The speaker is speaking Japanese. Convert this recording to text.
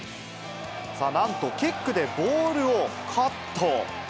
なんと、キックでボールをカット。